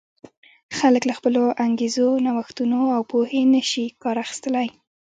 خلک له خپلو انګېزو، نوښتونو او پوهې نه شي کار اخیستلای.